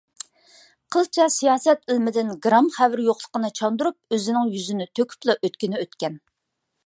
قىلچە سىياسەت ئىلمىدىن گىرام خەۋىرى يوقلۇقىنى چاندۇرۇپ ئۆزىنىڭ يۈزىنى تۆكۈپلا ئۆتكىنى ئۆتكەن.